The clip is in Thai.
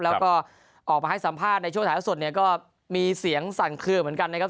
แล้วก็ออกมาให้สัมภาษณ์ในช่วงถ่ายแล้วสดเนี่ยก็มีเสียงสั่นเคลือเหมือนกันนะครับ